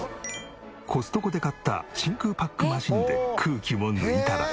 コストコで買った真空パックマシーンで空気を抜いたら。